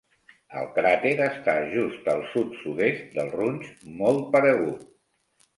El cràter està just al sud-sud-est del runge molt paregut.